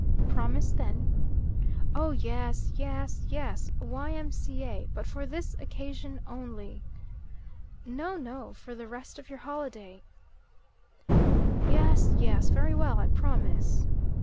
"Promise, then." "Oh, yes, yes, yes. Y.M.C.A. But for this occasion only." "No, no. For the rest of your holiday." "Yes, yes. Very well. I promise."